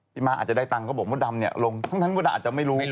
พี่ม้าอาจจะได้ตังษ์ก็บอกดำเนี่ยลงทั้งทั้งหมดอาจจะไม่รู้